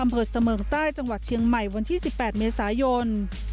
อำเภอเสมิงใต้จังหวัดเชียงใหม่วันที่๑๘เมษายน